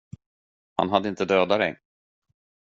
Han hade inte dödat dig.